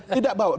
tidak ada masalah